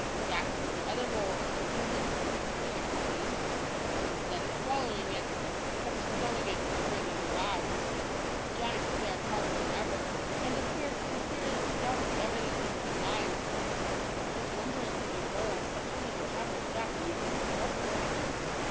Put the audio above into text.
Jack took the other bowl and pre 174 THE TWO HEADED GIANT AT BREAKFAST. JACK THE GIANT KILLER. tended to eat the pudding it contained ; but instead of swal lowing it, he kept stowing it in the great leather bag. The giant stared harder than ever, and appeared to seriously doubt the evidence of' his own eyes. He was wondering to behold such a little chap as Jack eat such a breakfast.